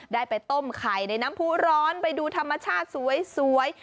ได้ไปต้มไข่ในน้ำผู้ร้อนไปดูธรรมชาติสวย